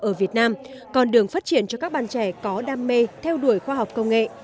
ở việt nam con đường phát triển cho các bạn trẻ có đam mê theo đuổi khoa học công nghệ